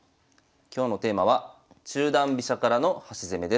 今日のテーマは「中段飛車からの端攻め」です。